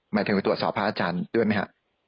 หมายถึงไปตรวจสอบพระอาจารย์ด้วยไหมฮะ